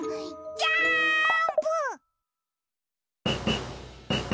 ジャンプ！！